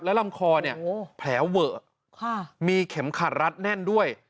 ลำคอเนี่ยแผลเวอะมีเข็มขัดรัดแน่นด้วย